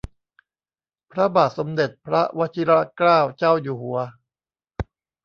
พระบาทสมเด็จพระวชิรเกล้าเจ้าอยู่หัว